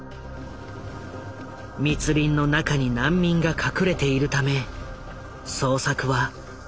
密林の中に難民が隠れているため捜索は困難を極めた。